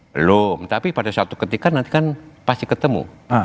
belum tapi pada suatu ketika nanti kan pasti ketemu